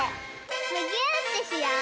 むぎゅーってしよう！